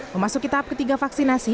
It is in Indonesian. memasuki tahap ketiga vaksinasi